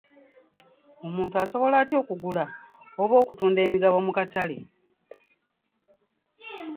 Omuntu asobola atya okugula oba okutunda emigabo mu katale?